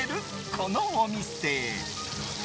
このお店。